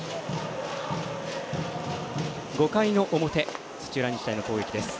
５回の表、土浦日大の攻撃です。